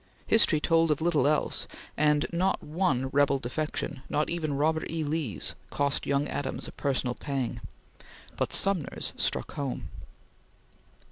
History told of little else; and not one rebel defection not even Robert E. Lee's cost young Adams a personal pang; but Sumner's struck home.